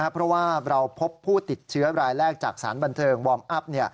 เพราะว่าเราพบผู้ติดเชื้อรายแรกจากสารบันเทิงวอร์มอัพ